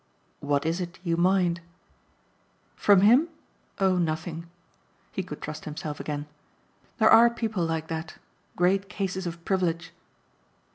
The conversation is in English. "What is it you mind?" "From HIM? Oh nothing!" He could trust himself again. "There are people like that great cases of privilege."